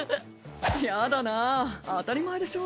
やだなぁ当たり前でしょ。